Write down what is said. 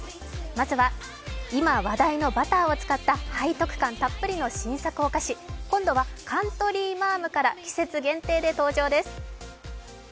まずは今話題のバターを使った背徳感たっぷりの新作お菓子今度はカントリーマアムから季節限定で登場です。